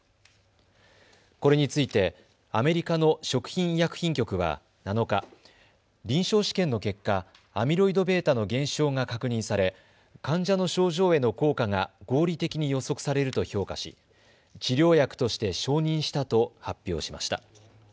これについてアメリカの食品医薬品局は７日、臨床試験の結果、アミロイドβの減少が確認され患者の症状への効果が合理的に予測されると評価し、治療薬として承認したと発表しました。